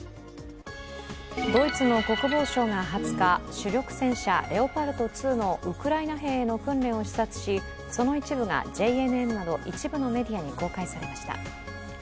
ドイツの国防相が２０日、主力戦車レオパルト２のウクライナ兵への訓練を視察し、その一部がＪＮＮなど一部のメディアに公開されました。